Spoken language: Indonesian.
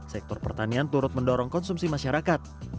sektor pertanian turut mendorong konsumsi masyarakat